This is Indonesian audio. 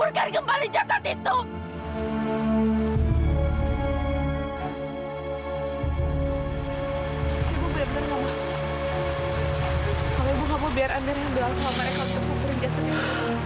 kalau ibu nggak mau biar amir yang bilang sama mereka untuk kuburin jasad itu